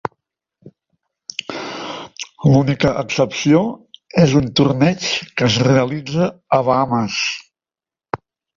L'única excepció és un torneig que es realitza a Bahames.